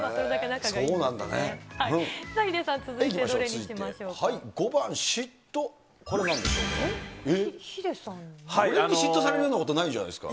さあ、ヒデさん、続いてどれにしましょうか。